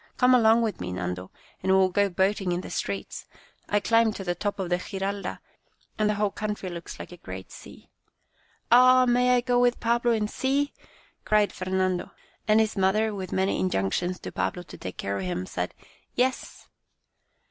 Come along with me, Nando, and we will go boating in the streets. I climbed to the top of the Giralda, and the whole country looks like a great sea." " Oh, may I go with Pablo and see ?" cried Fernando, and his mother, with many injunc tions to Pablo to take care of him, said " Yes."